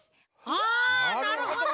ああなるほど！